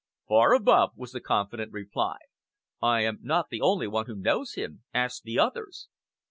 "Far above," was the confident reply. "I am not the only one who knows him. Ask the others."